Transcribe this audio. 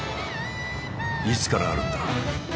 いつからあるんだ？